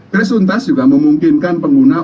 kris tuntas juga memungkinkan pengguna